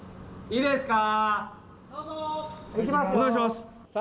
いいですか？